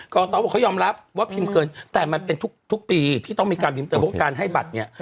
ตอบบอกเขายอมรับว่าพิมพ์เกินแต่มันเป็นทุกปีที่ต้องมีการพิมพ์เติมเพราะการให้บัตรเนี่ย